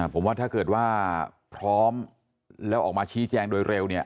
ผมว่าถ้าเกิดว่าพร้อมแล้วออกมาชี้แจงโดยเร็วเนี่ย